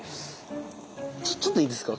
ちょっといいですか？